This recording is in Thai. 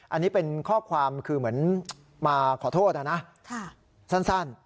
อันนี้เป็นข้อความคือเหมือนมาขอโทษนะสั้น